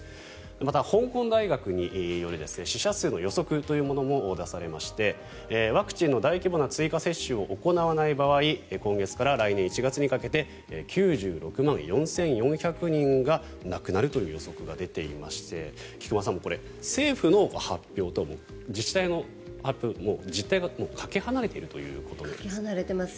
また、香港大学による死者数の予測というのも出されましてワクチンの大規模な追加接種を行わない場合今月から来年１月にかけて９６万４４００人が亡くなるという予測が出ていまして菊間さん、これは政府の発表と自治体の発表と実態がかけ離れているということです。